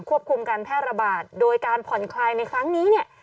คุมการแพร่ระบาดโดยการผ่อนคลายในครั้งนี้เนี่ย